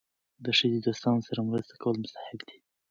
د ښځې دوستانو سره مرسته کول مستحب دي.